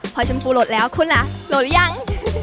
พอชมพูโหลดแล้วคุณล่ะโหลดหรือยัง